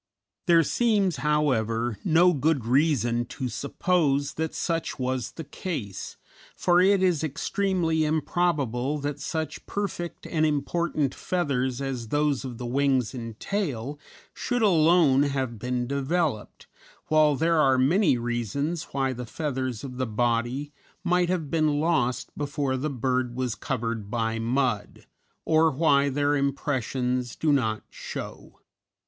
There seems, however, no good reason to suppose that such was the case, for it is extremely improbable that such perfect and important feathers as those of the wings and tail should alone have been developed, while there are many reasons why the feathers of the body might have been lost before the bird was covered by mud, or why their impressions do not show.